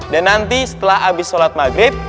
dan nanti setelah abis sholat maghrib